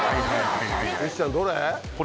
石ちゃん、どれ？